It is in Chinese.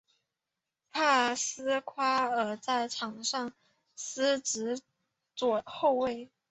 帕斯夸尔在场上司职左后卫。